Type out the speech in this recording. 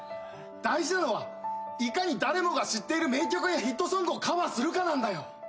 大事なのはいかに誰もが知っている名曲でヒットソングをカバーするかなんだよ！